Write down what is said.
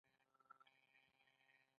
ځکه هغه خپل توکي مخکې ترلاسه کړي وو